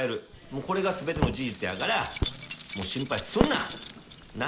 これがすべての事実やから、もう心配すんな、な。